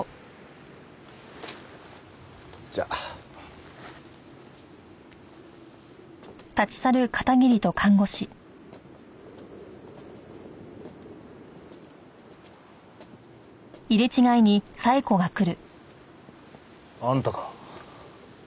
じゃあ。あんたか。